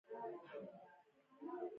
د ایران اقتصاد په تیلو تکیه لري.